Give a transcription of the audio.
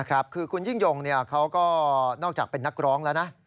คือคุณยิ่งยงเขาก็นอกจากเป็นนักร้องแล้วนะ